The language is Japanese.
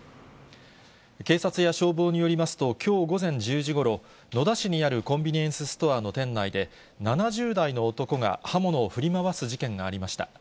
警察や消防によりますと、きょう午前１０時ごろ、野田市にあるコンビニエンスストアの店内で、７０代の男が刃物を振り回す事件がありました。